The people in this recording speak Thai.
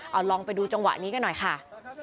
เอาลองไปดูจังหวะนี้กันหน่อยค่ะ